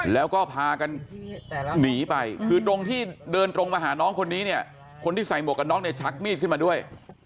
แล้วก็พากันหนีไปคือตรงที่เดินตรงมาหาน้องคนนี้เนี่ยคนที่ใส่หมวกกันน็อกเนี่ยชักมีดขึ้นมาด้วย